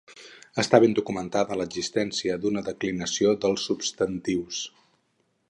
Està ben documentada l'existència d'una declinació dels substantius.